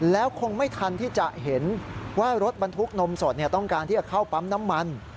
แล้วคงไม่ทันที่จะเห็นว่ารถบรรทุกนมสดต้องการที่จะเข้าปั๊มน้ำมัน